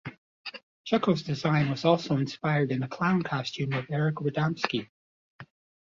Chucko's design was also inspired in a clown costume of Eric Radomski.